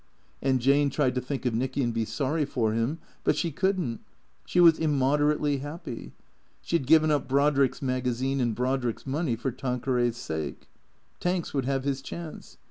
And Jane tried to think of Nicky and be sorry for him. But she could n't. She was immoderately happy. She had given up Brodrick's magazine and Brodrick's money for Tan queray's sake. Tanks would have his chance.